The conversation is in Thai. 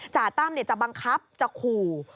ตั้มจะบังคับจะขู่